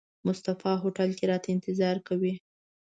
مصطفی هوټل کې راته انتظار کوي.